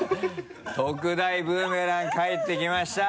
特大ブーメラン返ってきました！